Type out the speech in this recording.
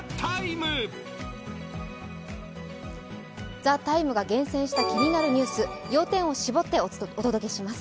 「ＴＨＥＴＩＭＥ，」が厳選した気になるニュース、要点を絞ってお届けします。